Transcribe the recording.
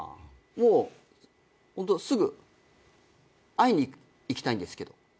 もうホントすぐ「会いに行きたいんですけど」